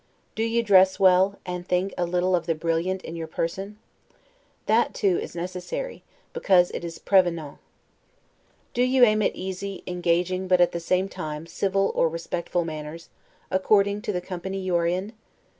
Do you dress well, and think a little of the brillant in your person? That, too, is necessary, because it is 'prevenant'. Do you aim at easy, engaging, but, at the same time, civil or respectful manners, according to the company you are in?